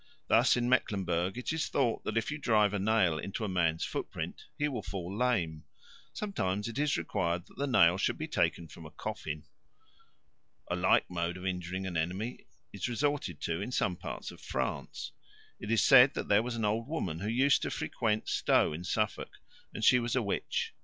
Thus in Mecklenburg it is thought that if you drive a nail into a man's footprint he will fall lame; sometimes it is required that the nail should be taken from a coffin. A like mode of injuring an enemy is resorted to in some parts of France. It is said that there was an old woman who used to frequent Stow in Suffolk, and she was a witch.